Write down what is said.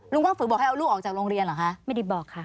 ลุงว่าฝือบอกให้เอาลูกออกจากโรงเรียนเหรอคะ